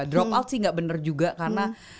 drop out sih nggak bener juga karena